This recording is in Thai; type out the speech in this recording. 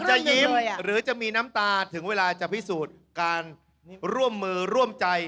จะยิ้มหรือจะมีน้ำตาถึงเวลาจะพิสูจน์การร่วมมือร่วมใจ